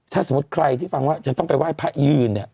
ถ้าสมมุติใครที่ฟังว่าจะต้องไปไหว้พระยืนเนี่ย